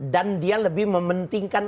dan dia lebih mementingkan